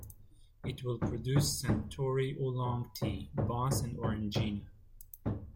It will produce Suntory Oolong Tea, Boss and Orangina.